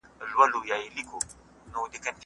ایا تاسي کله د ډاکټر په مشوره درمل خوړلي دي؟